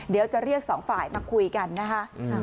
เดี๋ยวจะเรียกสองฝ่ายมาคุยกันนะคะ